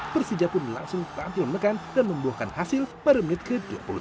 persija pun langsung tampil menekan dan membuahkan hasil pada menit ke dua puluh tiga